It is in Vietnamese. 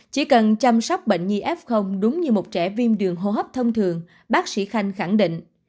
chỉ cần chăm sóc bệnh nhi f đúng như một trẻ viêm đường hô hấp thông thường bác sĩ khanh khẳng định